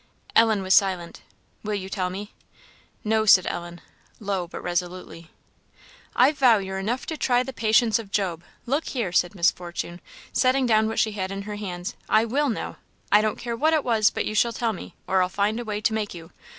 Ellen was silent. "Will you tell me?" "No," said Ellen, low, but resolutely. "I vow you're enough to try the patience of Job! Look here," said Miss Fortune, setting down what she had in her hands "I will know! I don't care what it was, but you shall tell me, or I'll find a way to make you.